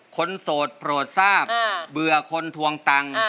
คนโสดโปรดทราบบึกคนทวงตัง